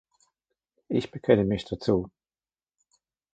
Ich bekenne mich dazu.